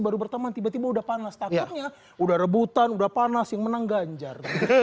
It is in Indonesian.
baru berteman tiba tiba udah panas takutnya udah rebutan udah panas yang menang ganjar